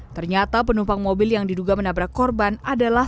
ternyata penumpang mobil yang diduga menabrak korban adalah